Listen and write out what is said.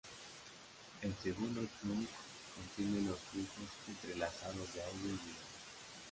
El segundo "chunk" contiene los flujos entrelazados de audio y video.